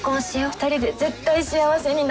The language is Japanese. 二人で絶対幸せになろうね。